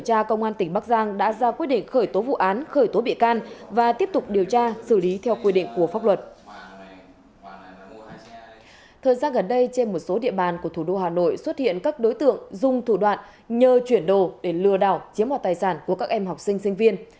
thời gian gần đây trên một số địa bàn của thủ đô hà nội xuất hiện các đối tượng dùng thủ đoạn nhờ chuyển đồ để lừa đảo chiếm hoạt tài sản của các em học sinh sinh viên